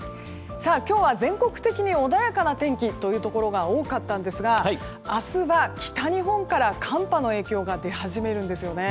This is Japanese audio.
今日は全国的に穏やかな天気というところが多かったんですが明日は北日本から寒波の影響が出始めるんですよね。